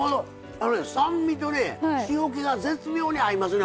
あのね酸味とね塩気が絶妙に合いますねこれ。